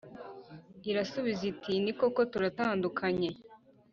irasubiza iti « ni koko, turatandukanye